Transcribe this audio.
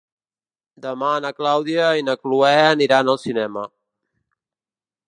Demà na Clàudia i na Cloè aniran al cinema.